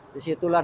di situ lah